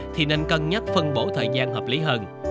thì nên cân nhắc phân bổ thời gian hợp lý hơn